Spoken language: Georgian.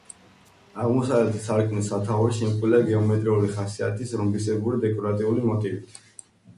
აღმოსავლეთი სარკმლის სათაური შემკულია გეომეტრიული ხასიათის რომბისებრი დეკორატიული მოტივით.